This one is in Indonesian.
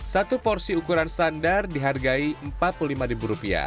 satu porsi ukuran standar dihargai rp empat puluh lima